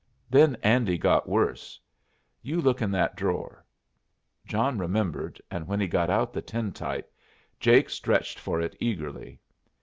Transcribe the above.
Then Andy got worse. You look in that drawer." John remembered, and when he got out the tintype, Jake stretched for it eagerly.